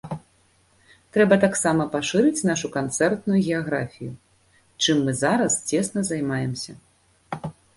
Трэба таксама пашырыць нашу канцэртую геаграфію, чым мы зараз цесна займаемся.